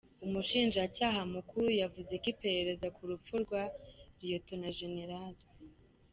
Umushinjacyaha mukuru yavuze ko iperereza ku rupfu rwa Lt Gen.